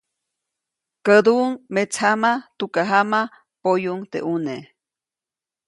Käduʼuŋ metsjama, tukajama, poyuʼuŋ teʼ ʼune.